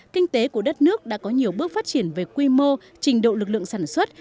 kinh tế của đất nước đã có nhiều bước phát triển về quy mô trình độ lực lượng sản xuất